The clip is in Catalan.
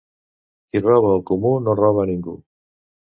Qui roba al comú no roba a ningú.